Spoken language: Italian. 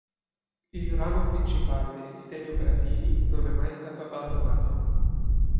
Il ramo principale dei sistemi operativi non è mai stato abbandonato.